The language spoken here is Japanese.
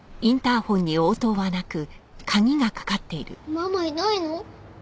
ママいないの？